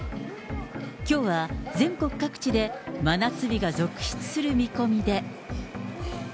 きょうは全国各地で真夏日が続出する見込みで。